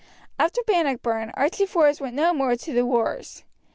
After Bannockburn Archie Forbes went no more to the wars.